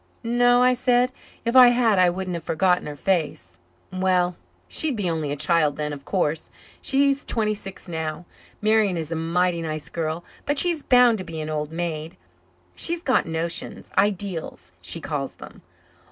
"No," I said. "If I had I wouldn't have forgotten her face." "Well, she'd be only a kid then, of course. She's twenty six now. Marian is a mighty nice girl, but she's bound to be an old maid. She's got notions ideals, she calls 'em.